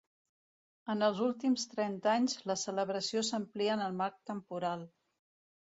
En els últims trenta anys, la celebració s'amplia en el marc temporal.